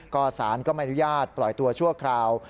ก็สารก็ไม่อนุญาตปล่อยตัวชั่วคราว